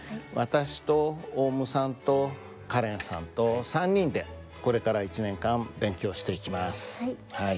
私とオウムさんとカレンさんと３人でこれから１年間勉強していきます。